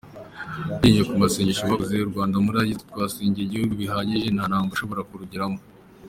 Ashingiye ku masengesho bakoze, Rwandamura yagize ati ”Twasengeye igihugu bihagije, nta ntambara ishobora kurugeramo.